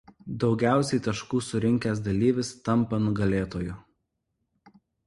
Daugiausiai taškų surinkęs dalyvis tampa nugalėtoju.